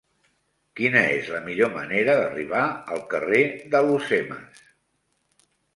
Quina és la millor manera d'arribar al carrer d'Alhucemas?